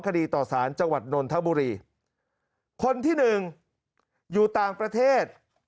คดีต่อสารจังหวัดนนทบุรีคนที่หนึ่งอยู่ต่างประเทศ